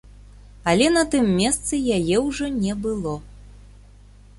Але на тым месцы яе ўжо не было.